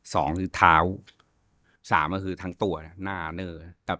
สองคือเท้าสามก็คือทั้งตัวหน้าเนื้อ